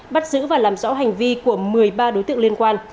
bắt giữ và làm rõ hành vi của một mươi ba đối tượng liên quan